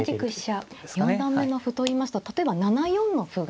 四段目の歩といいますと例えば７四の歩が。